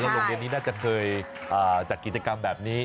โรงเรียนนี้น่าจะเคยจัดกิจกรรมแบบนี้